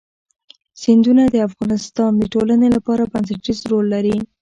سیندونه د افغانستان د ټولنې لپاره بنسټيز رول لري.